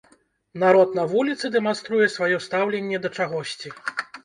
Народ на вуліцы дэманструе сваё стаўленне да чагосьці.